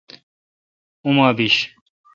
اتوما بش۔